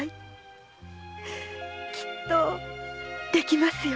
きっとできますよ。